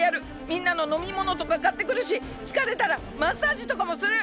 みんなののみものとかかってくるしつかれたらマッサージとかもする！